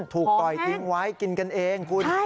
ถูกปล่อยทิ้งไว้กินกันเองคุณ